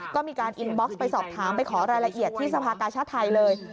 ก็มีการอินบ็อกซ์ไปสอบถามไปขอรายละเอียดที่สภากาชาติไทยเลย